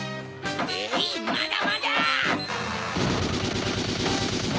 えいまだまだ！